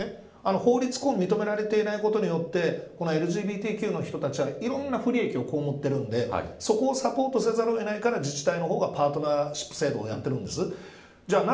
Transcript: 法律婚が認められていないことによってＬＧＢＴＱの人たちはいろんな不利益を被ってるんでそこをサポートせざるを得ないから自治体がパートナーシップ制度をやってるんです。